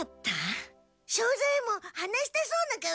庄左ヱ門話したそうな顔してるしね。